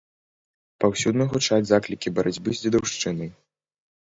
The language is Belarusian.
Паўсюдна гучаць заклікі барацьбы з дзедаўшчынай.